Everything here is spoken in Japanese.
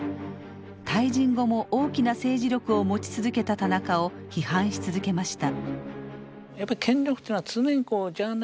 退陣後も大きな政治力を持ち続けた田中を批判し続けました。